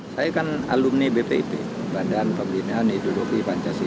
saya kan alumni bpip badan pembinian hidupi pancasila